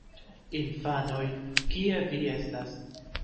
Infanoj... kie vi estas?